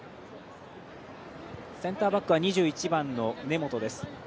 センターバックは２１番の根本です。